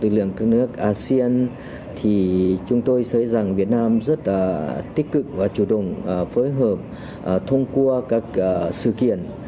với lực lượng các nước asean thì chúng tôi sẽ rằng việt nam rất là tích cực và chủ động phối hợp thông qua các sự kiện